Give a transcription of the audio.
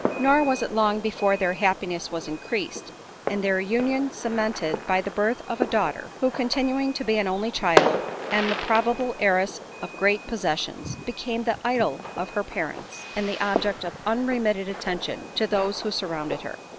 Nor was it long before their happiness was increased, and their union cemented by the birth of a daughter ; who continuing to be an only child, and the probable heiress of great possessions, became the idol of her pa rents, and the object of unremitted attention to those who surrounded her.